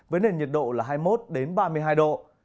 với nền nhiệt độ là hai mươi một ba mươi hai độ